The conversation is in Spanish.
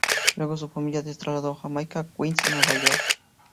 Luego su familia se trasladó a Jamaica, Queens, Nueva York.